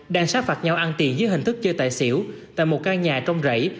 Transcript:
đang sát phạt nhau ăn tiền dưới hình thức chơi tài xỉu tại một căn nhà trong rẫy